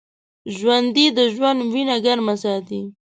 ژوندي د ژوند وینه ګرمه ساتي